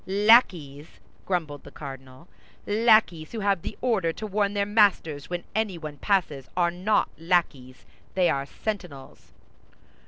"Lackeys?" grumbled the cardinal. "Lackeys who have the order to warn their masters when anyone passes are not lackeys, they are sentinels."